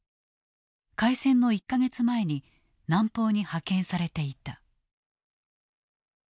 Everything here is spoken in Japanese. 開戦の１か月前に南方に派遣されていた。